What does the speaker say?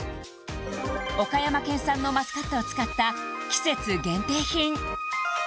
岡山県産のマスカットを使った季節限定品